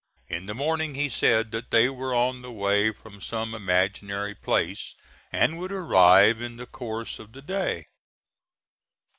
In the morning he said that they were on the way from some imaginary place, and would arrive in the course of the day.